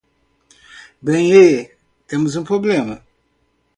Bem,? e?, temos um problema.